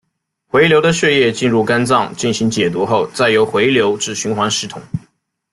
回流的血液进入肝脏进行解毒后再由回流至循环系统。